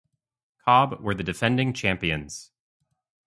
Cobh were the defending champions.